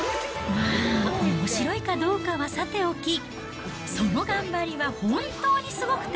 まあ、おもしろいかどうかはさておき、その頑張りは本当にすごくて、